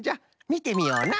みてみような！